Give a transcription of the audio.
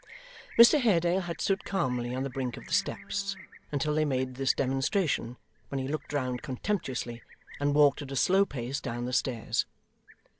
Mr Haredale had stood calmly on the brink of the steps, until they made this demonstration, when he looked round contemptuously, and walked at a slow pace down the stairs.